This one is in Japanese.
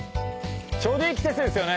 ちょうどいい季節ですよね